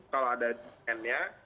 kalau ada demand nya